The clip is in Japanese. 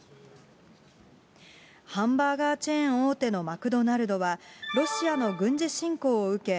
ハンバーガーチェーン大手のマクドナルドは、ロシアの軍事侵攻を受け、